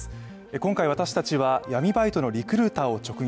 今回、私たちは闇バイトのリクルーターを直撃。